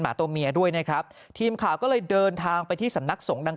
ตัวเมียด้วยนะครับทีมข่าวก็เลยเดินทางไปที่สำนักสงฆ์ดัง